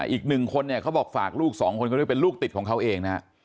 อีก๑คนเนี่ยเขาบอกฝากลูก๒คนเขาเรียกเป็นลูกติดของเขาเองนะ